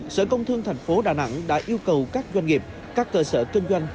sở công thương tp đà nẵng đã yêu cầu các doanh nghiệp các cơ sở kinh doanh